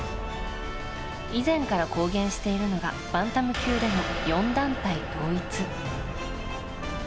以前から公言しているのがバンタム級での４団体統一。